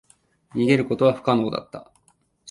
逃げることは不可能だった。